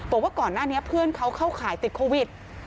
บอกว่าก่อนหน้านี้เพื่อนเขาเข้าข่ายติดโควิด